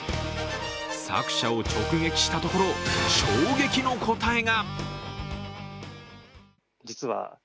作者を直撃したところ、衝撃の答えが。